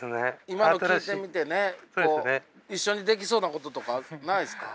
今の聞いてみてね一緒にできそうなこととかないですか？